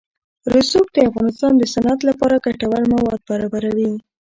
رسوب د افغانستان د صنعت لپاره ګټور مواد برابروي.